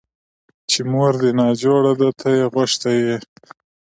چې مور دې ناجوړه ده ته يې غوښتى يې.